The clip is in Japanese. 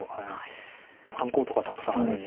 半コウとかたくさんあるんで。